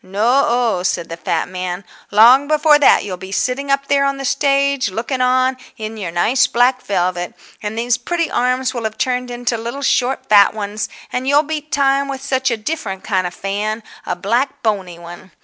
No o," said the fat man, "long before that you'll be sitting up there on the stage, looking on, in your nice black velvet. And these pretty arms will have turned into little short fat ones, and you'll beat time with such a different kind of fan—a black bony one."